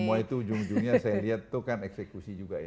semua itu ujung ujungnya saya lihat itu kan eksekusi juga ya